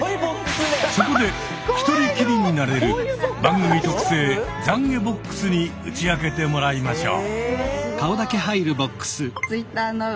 そこで一人きりになれる番組特製懺悔ボックスに打ち明けてもらいましょう。